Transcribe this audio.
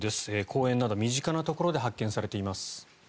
公園など身近なところで発見されています。